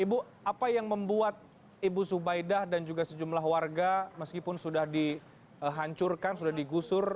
ibu apa yang membuat ibu subaidah dan juga sejumlah warga meskipun sudah dihancurkan sudah digusur